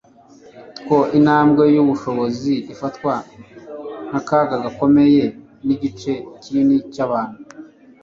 ko intambwe yubushobozi ifatwa nk'akaga gakomeye nigice kinini cyabantu ..